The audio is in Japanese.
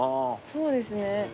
そうですね。